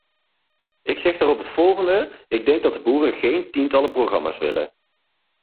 Ik zeg daarop het volgende: ik denk dat de boeren geen tientallen programma's willen.